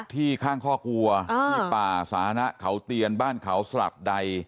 ที่ข้างข้อกลัวที่ป่าสาธารณะเขาเตียนบ้านเขาสลับใด